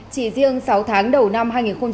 chỉ riêng sáu tháng đầu năm hai nghìn một mươi chín